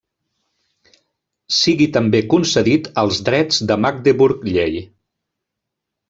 Sigui també concedit els drets de Magdeburg llei.